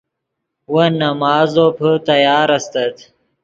ون نماز زوپے تیار استت